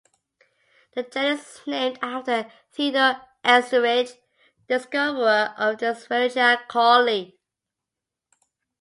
The genus is named after Theodor Escherich, the discoverer of "Escherichia coli".